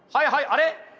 あれ？